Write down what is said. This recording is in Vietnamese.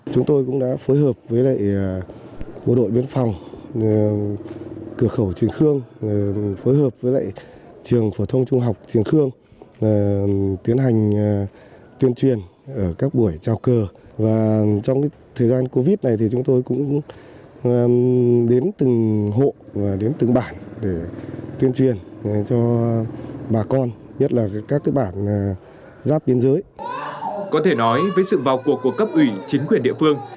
chúng tôi cũng đã phối hợp với lại bộ đội biến phòng cửa khẩu trường khương phối hợp với lại trường phổ thông trung học trường khương